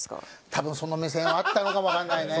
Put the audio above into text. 多分その目線はあったのかもわからないね。